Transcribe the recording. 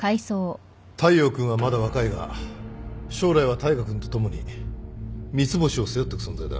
大陽君はまだ若いが将来は大海君と共に三ツ星を背負ってく存在だ